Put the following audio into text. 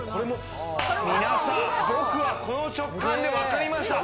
皆さん、僕はこの直感でわかりました。